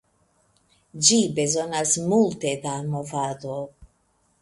Ĝi bezonas multe da movado.